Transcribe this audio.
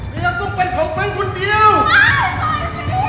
เมียต้องเป็นของฉันคนเดียว